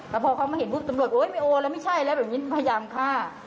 แต่พอเขามาเห็นปุ๊บตำรวจโอ๊ยไม่โอแล้วไม่ใช่แล้วแบบนี้พยายามฆ่า